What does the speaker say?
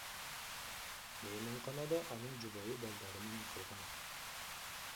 Мейманканада анын жубайы балдары менен калган.